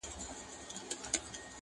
د دریاب پر غاړه لو کښټۍ ولاړه؛